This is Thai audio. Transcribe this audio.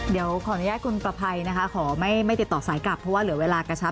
เดี๋ยวขออนุญาตคุณประภัยนะคะขอไม่ติดต่อสายกลับเพราะว่าเหลือเวลากระเช้า